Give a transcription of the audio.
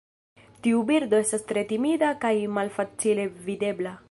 Tiu birdo estas tre timida kaj malfacile videbla.